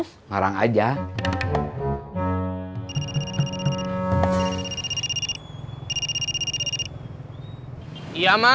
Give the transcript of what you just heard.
semoga aku merasakan